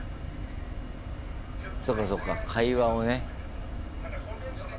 そうかそうか会話をね。